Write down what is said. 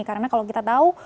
karena kalau kita tahu